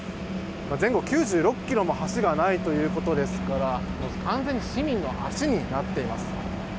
前後９６ｋｍも橋がないということですから完全に市民の足になっています。